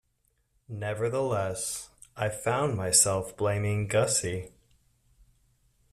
Nevertheless, I found myself blaming Gussie.